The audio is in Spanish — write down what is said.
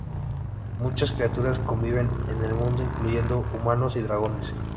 Muchas criaturas conviven en el mundo, incluyendo humanos y dragones.